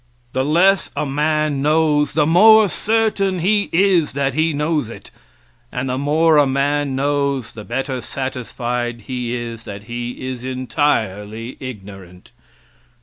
The less a man knows the more certain he is that he knows it, and the more a man knows the better satisfied he is that he is entirely ignorant.